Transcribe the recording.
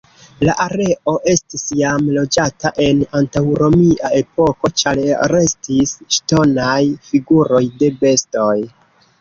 La areo estis jam loĝata en antaŭromia epoko, ĉar restis ŝtonaj figuroj de bestoj.